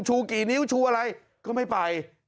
กี่นิ้วชูอะไรก็ไม่ไป